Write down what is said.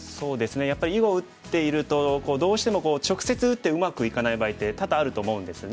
やっぱり囲碁を打っているとどうしても直接打ってうまくいかない場合って多々あると思うんですね。